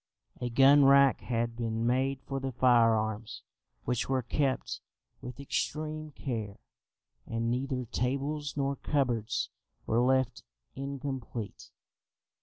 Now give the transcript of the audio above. A gun rack had been made for the firearms, which were kept with extreme care, and neither tables nor cupboards were left incomplete.